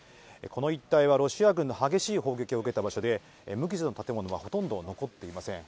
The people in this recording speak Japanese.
この一帯はロシア軍の激しい砲撃を受けた場所で、無傷の建物は、ほとんど残っていません。